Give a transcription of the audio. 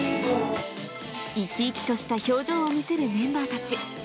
生き生きとした表情を見せるメンバーたち。